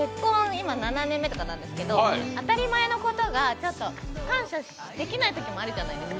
今、７年目とかなんですけど、当たり前のことが感謝できないときもあるじゃないですか。